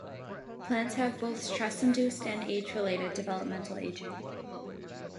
Plants have both stress-induced and age-related developmental aging.